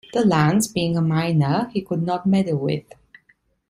The lands, being a minor, he could not meddle with.